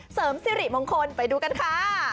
เสริมสิริมงคลไปดูกันค่ะ